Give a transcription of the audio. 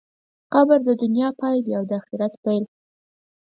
قبر د دنیا پای دی او د آخرت پیل.